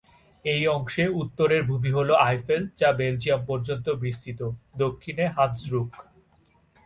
এই অংশে উত্তরের ভূমি হল আইফেল যা বেলজিয়াম পর্যন্ত বিস্তৃত; দক্ষিণে হানস্রুক।